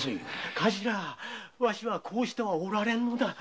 頭わしはこうしてはおられんのだ。